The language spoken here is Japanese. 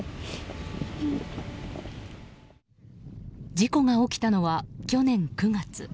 事故が起きたのは去年９月。